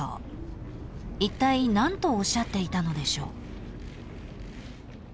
［いったい何とおっしゃっていたのでしょう？］